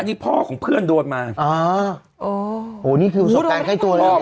อันนี้พ่อของเพื่อนโดนมาอ๋อโอ้โหนี่คือสการใกล้ตัวเลย